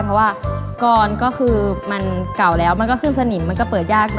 เพราะว่ากรก็คือมันเก่าแล้วมันก็ขึ้นสนิมมันก็เปิดยากเน